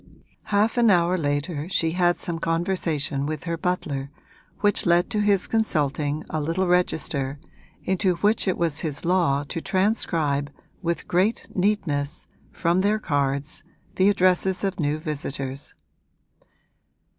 Half an hour later she had some conversation with her butler which led to his consulting a little register into which it was his law to transcribe with great neatness, from their cards, the addresses of new visitors.